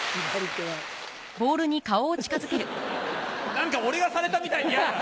何か俺がされたみたいでやだ！